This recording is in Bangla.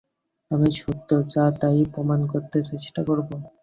আমি সত্য যা তা-ই প্রমাণ করতে চেষ্টা করব।